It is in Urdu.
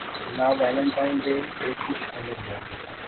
نہ ویلٹائن ڈے پہ کچھ ہونے دیں گے۔